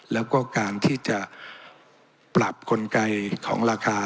แล้วก็การที่จะปรับกลไกของราคา